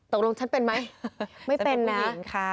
ฉันเป็นไหมไม่เป็นนะ